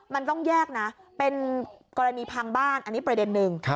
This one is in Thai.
มันต้องแยกนะเป็นกรณีพังบ้านอันนี้ประเด็นหนึ่ง